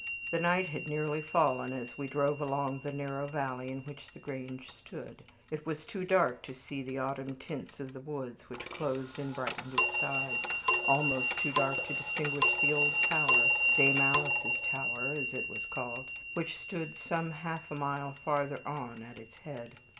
The night had nearly fallen as we drove along the narrow valley in which the Grange stood: it was too dark to see the autumn tints of the woods which clothed and brightened its sides, almost too dark to distinguish the old tower, Dame Alice's tower as it was called, which stood some half a mile farther on at its head.